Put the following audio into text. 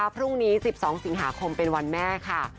พรุ่งนี้๑๒สิงหาคมเป็นวันแม่ค่ะ